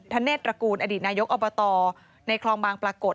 เนธตระกูลอดีตนายกอบตในคลองบางปรากฏ